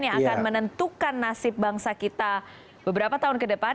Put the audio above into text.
yang akan menentukan nasib bangsa kita beberapa tahun ke depan